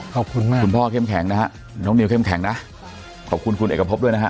ขอบคุณมากคุณพ่อเข้มแข็งนะฮะน้องนิวเข้มแข็งนะขอบคุณคุณเอกพบด้วยนะฮะ